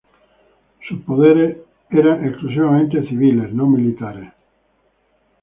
Sus poderes eran exclusivamente civiles, no militares.